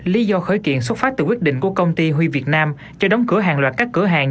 lý do khởi kiện xuất phát từ quyết định của công ty huy việt nam cho đóng cửa hàng loạt các cửa hàng